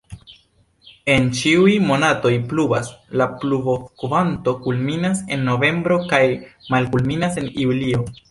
En ĉiuj monatoj pluvas, la pluvokvanto kulminas en novembro kaj malkulminas en julio.